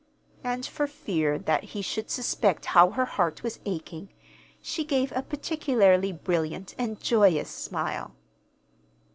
And, for fear that he should suspect how her heart was aching, she gave a particularly brilliant and joyous smile.